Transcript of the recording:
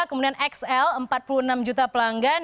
kemudian xl empat puluh enam juta pelanggan